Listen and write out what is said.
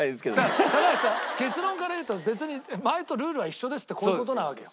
だから高橋さ結論から言うと別に前とルールは一緒ですってこういう事なわけよ。